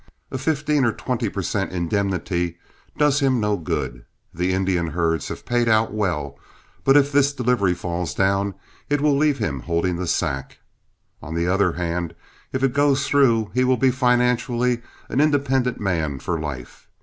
A fifteen or twenty per cent. indemnity does him no good. The Indian herds have paid out well, but if this delivery falls down, it will leave him holding the sack. On the other hand, if it goes through, he will be, financially, an independent man for life.